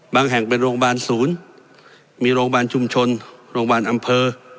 แห่งเป็นโรงพยาบาลศูนย์มีโรงพยาบาลชุมชนโรงพยาบาลอำเภอ